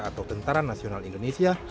atau tentara nasional indonesia